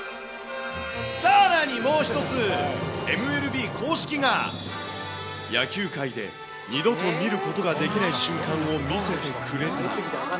さらにもう一つ、ＭＬＢ公式が、野球界で二度と見ることができない瞬間を見せてくれた。